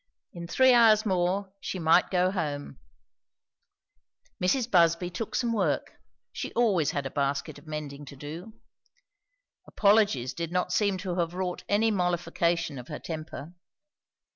In three hours more she might go home. Mrs. Busby took some work; she always had a basket of mending to do. Apologies did not seem to have wrought any mollification of her temper.